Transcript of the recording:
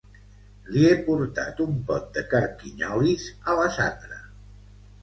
Li he portat un pot de carquinyolis a la Sandra